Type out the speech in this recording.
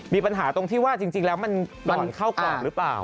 มีปัญหาตรงที่ว่าจริงแล้วมันก่อนเข้ากรอบหรือเปล่า